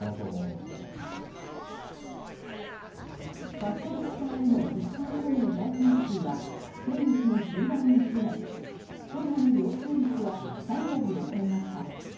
ファストドクターへの自治体からの依頼件数は先月の１０倍に増えコロナの陽性率は３割を超えました。